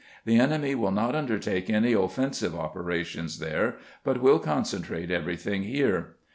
The enemy will not undertake any offensive operations there, but will con centrate everything here."